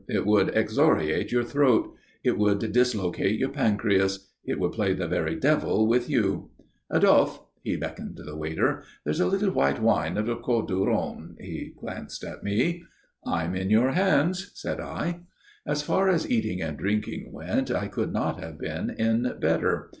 It would excoriate your throat. It would dislocate your pancreas. It would play the very devil with you. Adolphe" he beckoned the waiter "there's a little white wine of the Côtes du Rhone " He glanced at me. "I'm in your hands," said I. As far as eating and drinking went I could not have been in better.